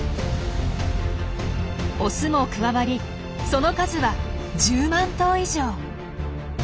オスも加わりその数は１０万頭以上。